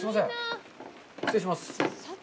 失礼します。